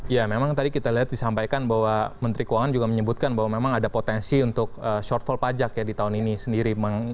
ya memang tadi kita lihat disampaikan bahwa menteri keuangan juga menyebutkan bahwa memang ada potensi untuk shortfall pajak ya di tahun ini sendiri